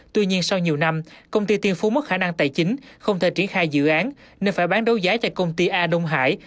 tuy nhiên sau nhiều năm công ty tiên phú mất khả năng tài chính không thể triển khai dự án nên phải bán đấu giá cho công ty a đông hải